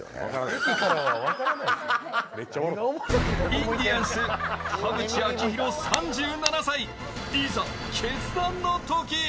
インディアンス・田渕章裕３７歳いざ、決断の時！